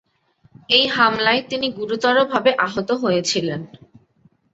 এই হামলায় তিনি গুরুতরভাবে আহত হয়েছিলেন।